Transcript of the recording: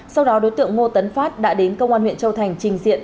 sau đó đối tượng ngô tấn phát đã đến công an huyện châu thành trình diện